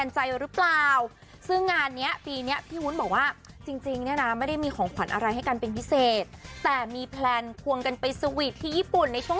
จริงชะลองไปแล้วนะ